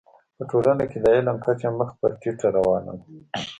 په ټولنه کي د علم کچه مخ پر ټيټه روانه ده.